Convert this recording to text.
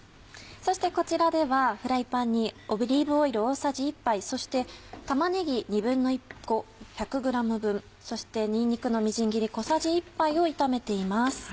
そしてこちらではフライパンにオリーブオイル大さじ１杯そして玉ねぎ１／２個１００ｇ分そしてにんにくのみじん切り小さじ１杯を炒めています。